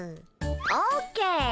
オーケー！